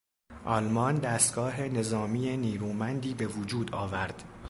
آلمان دستگاه نظامی نیرومندی به وجود آورد.